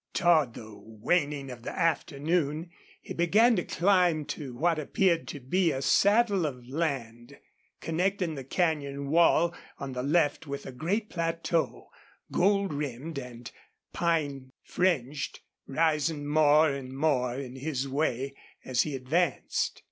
Toward the waning of the afternoon he began to climb to what appeared to be a saddle of land, connecting the canyon wall on the left with a great plateau, gold rimmed and pine fringed, rising more and more in his way as he advanced.